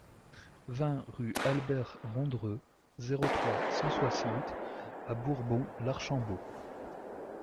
vingt rue Albert Rondreux, zéro trois, cent soixante à Bourbon-l'Archambault